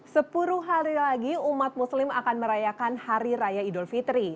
sepuluh hari lagi umat muslim akan merayakan hari raya idul fitri